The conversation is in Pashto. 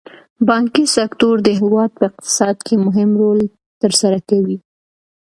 بانکي سکتور د هېواد په اقتصاد کې مهم رول تر سره کوي.